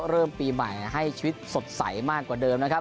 เริ่มปีใหม่ให้ชีวิตสดใสมากกว่าเดิมนะครับ